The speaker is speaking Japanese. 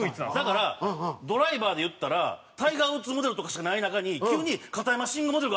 だからドライバーでいったらタイガー・ウッズモデルとかしかない中に急に片山晋呉モデルが現れたみたいなもんですよ